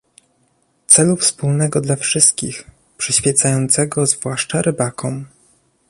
celu wspólnego dla wszystkich, przyświecającego zwłaszcza rybakom